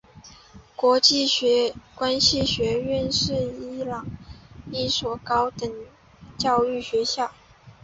国际关系学院是伊朗一所高等教育学校。